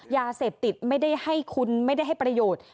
ยาเสพติดไม่ได้ให้คุณไม่ได้ให้ประโยชน์